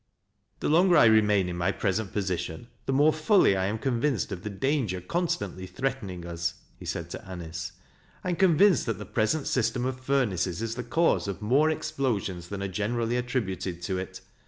" The longer I remain in my present position, the m.ore fully I am convinced of the danger constant.y threatening as," he said to Anice. " I am convinced that the prese:u system of furnaces is the cause of more explosions than are generally attributed to it.